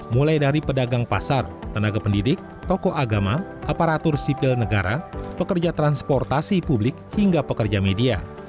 mulai dari pedagang pasar tenaga pendidik tokoh agama aparatur sipil negara pekerja transportasi publik hingga pekerja media